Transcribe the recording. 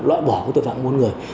loại bỏ tội phạm mua bán người